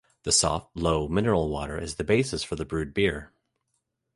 The soft, low mineral water is the basis for the brewed beer.